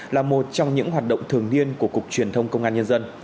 là một trong những hoạt động thường niên của cục truyền thông công an nhân dân